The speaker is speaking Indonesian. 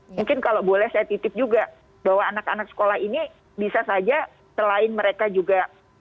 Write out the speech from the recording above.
mungkin kalau boleh saya titip juga bahwa anak anak sekolah ini bisa saja selain mereka juga